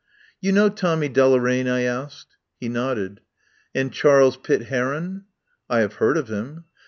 "You know Tommy Deloraine?" I asked. He nodded. "And Charles Pitt Heron?" "I have heard of him."